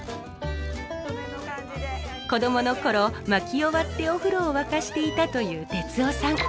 子供の頃薪を割ってお風呂を沸かしていたという哲夫さん。